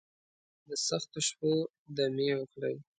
دسختو شپو، دمې وکړي